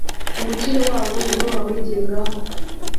umukiro wabo ni bo bawigengaho